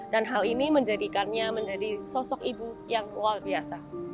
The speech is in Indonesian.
dan hal ini menjadikannya menjadi sosok ibu yang luar biasa